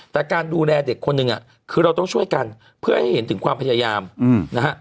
แต่การดูแลเด็กคนหนึ่งคือเราต้องช่วยกันเพื่อให้เห็นถึงความพยายามนะฮะ